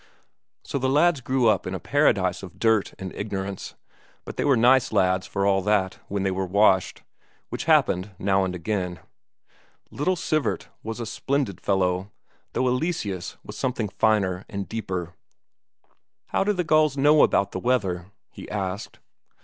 So the lads grew up in a paradise of dirt and ignorance, but they were nice lads for all that when they were washed, which happened now and again; little Sivert he was a splendid fellow, though Eleseus was something finer and deeper. "How do the gulls know about the weather?" he asked.